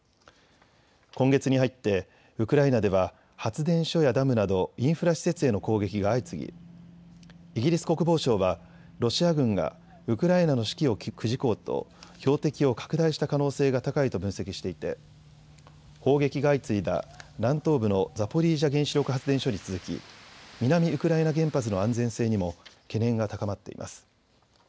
今月に入って、ウクライナでは発電所やダムなどインフラ施設への攻撃が相次ぎ、イギリス国防省は、ロシア軍がウクライナの士気をくじこうと、標的を拡大した可能性が高いと分析していて、砲撃が相次いだ南東部のザポリージャ原子力発電所に続き、南ウクライナ原発の安全性にも懸念が高まっています。